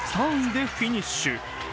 ３位でフィニッシュ。